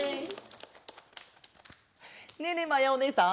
ねえねえまやおねえさん。